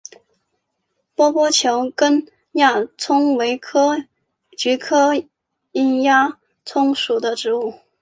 皱波球根鸦葱为菊科鸦葱属的植物。